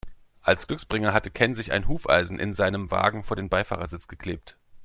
Als Glücksbringer hatte Ken sich ein Hufeisen in seinem Wagen vor den Beifahrersitz geklebt.